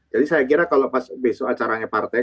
jadi saya kira kalau pas besok acaranya partai